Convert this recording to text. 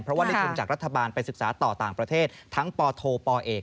เพราะว่าได้ทุนจากรัฐบาลไปศึกษาต่อต่างประเทศทั้งปโทปเอก